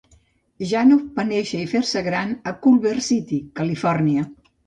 Janoff va néixer i fer-se gran a Culver City, Califòrnia.